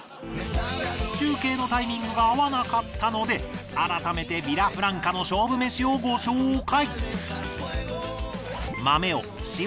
中継のタイミングが合わなかったので改めてヴィラフランカの勝負飯をご紹介。